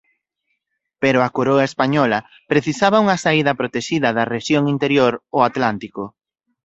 Pero a coroa española precisaba unha saída protexida da rexión interior ao Atlántico.